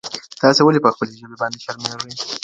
تاسي ولي په خپلي ژبي باندي شرمېږئ؟